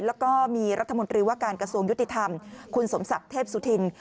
แล้วก็มีรัฐมนตรีว่าการกระทรวงยุติธรรมคุณสมศักดิ์เทพสุธิน